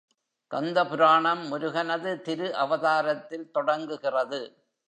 கந்த புராணம் முருகனது திரு அவதாரத்தில் தொடங்குகிறது.